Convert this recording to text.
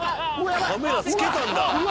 カメラ付けたんだ。